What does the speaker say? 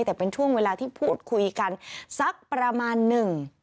แต่เป็นช่วงเวลาที่พูดคุยกันสักประมาณหนึ่ง